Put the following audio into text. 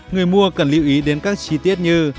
người mua cần lưu ý đến các chi tiết như